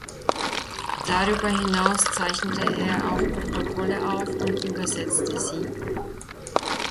Darüber hinaus zeichnete er auch Protokolle auf und übersetzte sie.